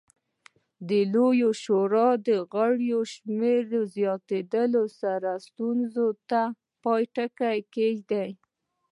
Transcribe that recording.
د لویې شورا د غړو شمېر زیاتولو سره ستونزې ته پای ټکی کېښود